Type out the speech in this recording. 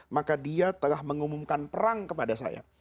maka dia telah mengumumkan perang kepada saya